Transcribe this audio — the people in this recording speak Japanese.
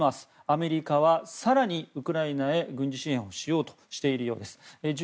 アメリカは更にウクライナへ軍事支援をしようとしているようです。